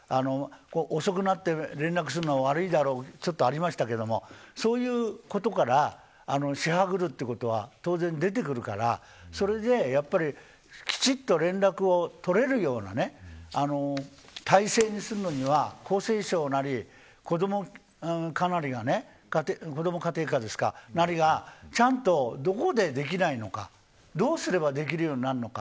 遅くなって、連絡するのは悪いだろうというのがちょっとありましたけれどもそういうことから調べるということは、当然出てくるからそれで、きちんと連絡を取れるような体制にするのには厚労省なりこども課なりがこども家庭庁なりがちゃんと、どこでできないのかどうすればできるようになるのか。